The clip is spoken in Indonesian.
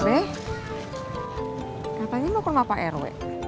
eh katanya lu rumah pak rw